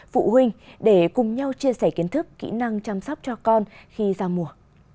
phụ huynh để cùng nhau chia sẻ kiến thức kỹ năng chăm sóc cho con khi giao mùa